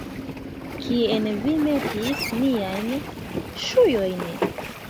Kien vi metis miajn ŝuojn?